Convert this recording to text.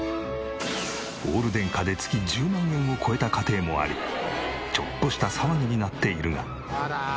オール電化で月１０万円を超えた家庭もありちょっとした騒ぎになっているが。